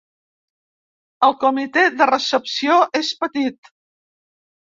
El comitè de recepció és petit.